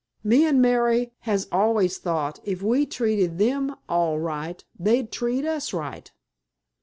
Me an' Mary has always thought if we treated them all right they'd treat us right.